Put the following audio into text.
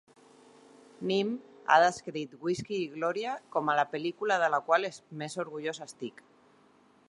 Neame ha descrit "Whisky i glòria" com a "la pel·lícula de la qual més orgullós estic".